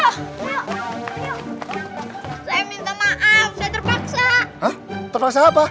hah terpaksa apa